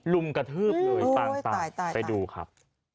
ลุมกระทืบเลยต่างไปดูครับ